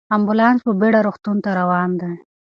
امبولانس په بیړه روغتون ته روان دی.